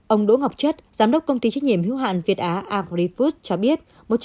ông đỗ ngọc chất giám đốc công ty trách nhiệm hữu hạn việt á agrifus cho biết